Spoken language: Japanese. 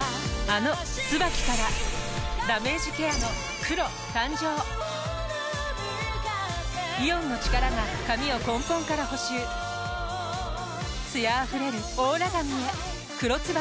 あの「ＴＳＵＢＡＫＩ」からダメージケアの黒誕生イオンの力が髪を根本から補修艶あふれるオーラ髪へ「黒ＴＳＵＢＡＫＩ」